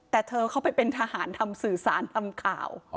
แต่เธอเข้าไปเป็นทหารทำสื่อสารทำข่าว